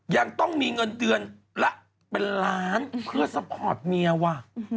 ยังต้องมีเงินเดือนละเป็นล้านเพื่อซัพพอร์ตเมียว่ะ